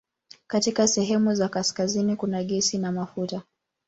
Katika sehemu za kaskazini kuna gesi na mafuta.